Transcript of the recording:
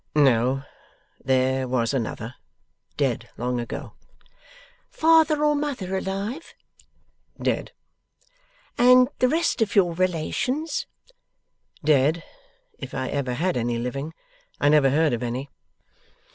'No there was another. Dead long ago.' 'Father or mother alive?' 'Dead.' 'And the rest of your relations?' 'Dead if I ever had any living. I never heard of any.